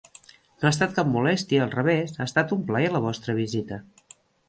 No ha estat cap molèstia; al revés, ha estat un plaer la vostra visita.